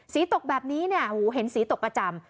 ตกแบบนี้เนี่ยหูเห็นสีตกประจำ